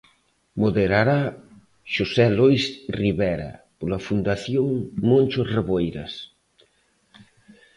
Moderará, Xosé Lois Rivera, pola Fundación Moncho Reboiras.